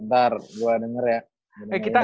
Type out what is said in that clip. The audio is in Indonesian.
ntar gue denger ya